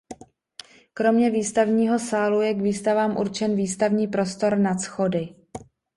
Kromě výstavního sálu je k výstavám určen výstavní prostor "nad schody".